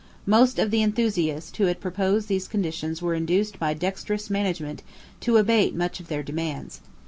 Most of the enthusiasts who had proposed these conditions were induced by dexterous management to abate much of their demands.